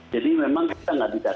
jadi memang kita nggak bisa